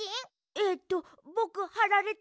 えっとぼくはられた？